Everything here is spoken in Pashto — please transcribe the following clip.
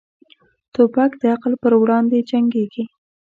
توپک د عقل پر وړاندې جنګيږي.